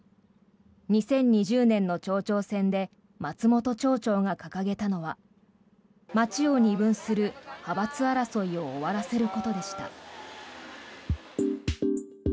２０２０年の町長選で松本町長が掲げたのは町を二分する派閥争いを終わらせることでした。